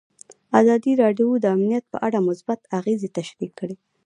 ازادي راډیو د امنیت په اړه مثبت اغېزې تشریح کړي.